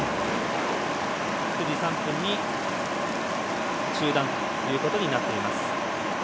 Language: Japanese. ９時３分に中断ということになっています。